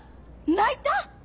泣いた！？